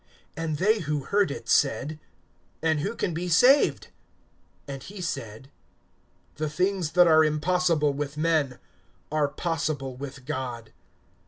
(26)And they who heard it said: And who can be saved? (27)And he said: The things that are impossible with men are possible with God.